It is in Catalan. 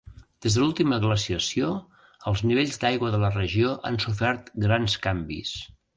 Des de l'última glaciació, els nivells d'aigua a la regió han sofert grans canvis.